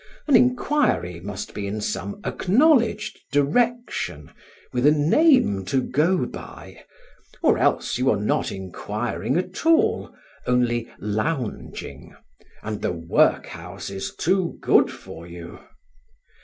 An inquiry must be in some acknowledged direction, with a name to go by; or else you are not inquiring at all, only lounging; and the workhouse is too good for you.